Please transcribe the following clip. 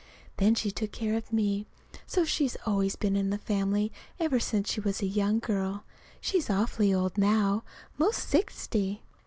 Then she took care of me. So she's always been in the family, ever since she was a young girl. She's awfully old now 'most sixty.